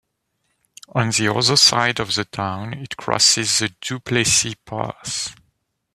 On the other side of the town it crosses the Du Plessis Pass.